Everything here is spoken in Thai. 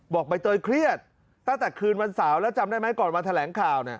ใบเตยเครียดตั้งแต่คืนวันเสาร์แล้วจำได้ไหมก่อนวันแถลงข่าว